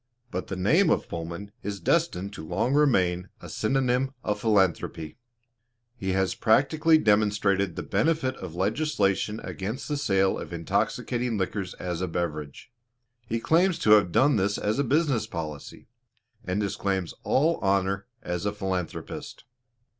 But the name of Pullman is destined to long remain a synonym of philanthropy. He has practically demonstrated the benefit of legislation against the sale of intoxicating liquors as a beverage. He claims to have done this as a business policy, and disclaims all honor as a philanthropist.